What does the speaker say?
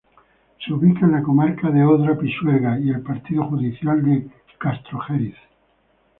Se ubica en la comarca de Odra-Pisuerga y el partido judicial de Castrojeriz.